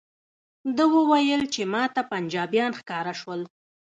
ده وویل چې ماته پنجابیان ښکاره شول.